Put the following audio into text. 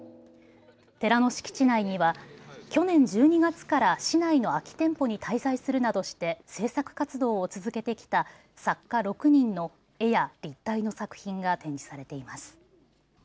寺の敷地内には去年１２月から市内の空き店舗に滞在するなどして制作活動を続けてきた作家６人の絵や立体の作品が展示されています。